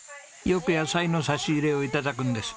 よく野菜の差し入れを頂くんです。